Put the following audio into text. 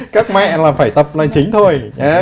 các mẹ là phải tập là chính thôi